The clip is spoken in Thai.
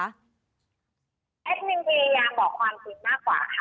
มินพยายามบอกความจริงมากกว่าค่ะ